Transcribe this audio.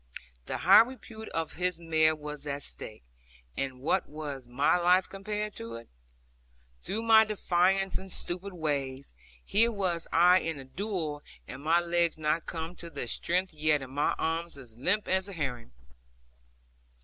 The high repute of his mare was at stake, and what was my life compared to it? Through my defiance, and stupid ways, here was I in a duello, and my legs not come to their strength yet, and my arms as limp as a herring.